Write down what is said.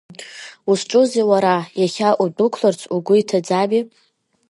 Узҿузеи уара, иахьа удәықәларц угәы иҭаӡами?